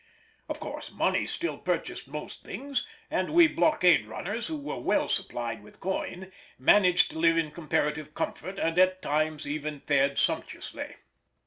Of course money still purchased most things, and we blockade runners, who were well supplied with coin, managed to live in comparative comfort and at times even fared sumptuously.